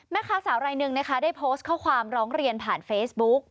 แม่ค้าสาวรายหนึ่งนะคะได้โพสต์ข้อความร้องเรียนผ่านเฟซบุ๊ก